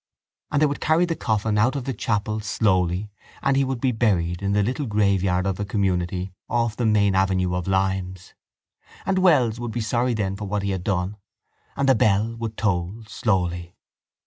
And they would carry the coffin out of the chapel slowly and he would be buried in the little graveyard of the community off the main avenue of limes. And Wells would be sorry then for what he had done. And the bell would toll slowly.